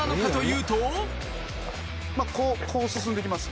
こう進んでいきます。